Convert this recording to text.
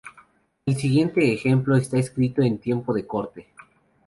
El siguiente ejemplo está escrito en tiempo de corte.